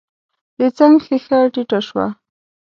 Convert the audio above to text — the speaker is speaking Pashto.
د څنګ ښېښه ټيټه شوه.